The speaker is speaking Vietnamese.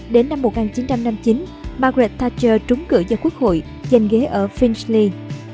đến năm một nghìn chín trăm năm mươi chín margaret thatcher trúng cử cho quốc hội giành ghế ở filsli